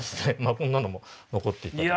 こんなのも残っていたと。